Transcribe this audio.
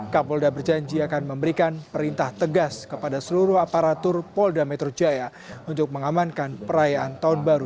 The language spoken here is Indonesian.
kapol da berjanji akan memberikan perintah tegas kepada seluruh aparatur pol da metro jaya untuk mengamankan perayaan tahun baru dua ribu sembilan belas